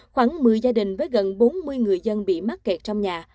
khoảng một mươi gia đình với gần bốn mươi người dân bị mắc kẹt trong nhà